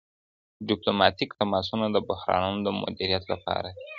ډیپلوماټیک تماسونه د بحرانونو د مدیریت لپاره دي.